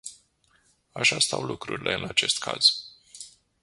Așa stau lucrurile în acest caz.